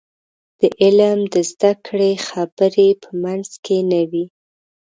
د علم د زده کړې خبرې په منځ کې نه وي.